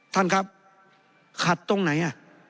ท่านครับขัดตรงไหนอ่ะ